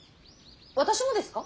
私もですか。